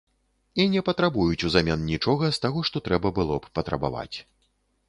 І не патрабуюць узамен нічога з таго, што трэба было б патрабаваць.